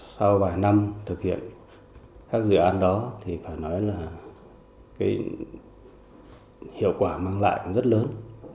sau vài năm thực hiện các dự án đó thì phải nói là hiệu quả mang lại cũng rất lớn